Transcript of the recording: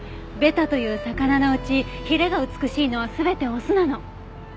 ベタという魚のうちヒレが美しいのは全てオスなの。